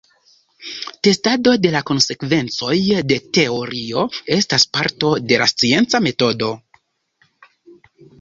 Testado de la konsekvencoj de teorio estas parto de la scienca metodo.